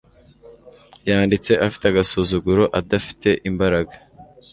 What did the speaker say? Yanditse afite agasuzuguro adafite imbaraga